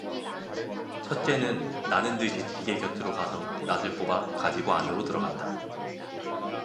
첫째는 나는 듯이 지게 곁으로 가서 낫을 뽑아 가지고 안으로 들어간다.